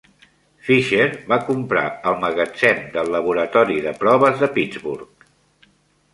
Fisher va comprar el magatzem del Laboratori de Proves de Pittsburgh.